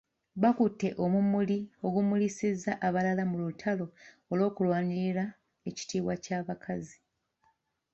Bakutte omumuli ogumulisiza abalala mu lutalo olw’okulwanirira ekitiibwa ky’abakazi .